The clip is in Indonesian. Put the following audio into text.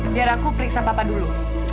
biar aku periksa papa dulu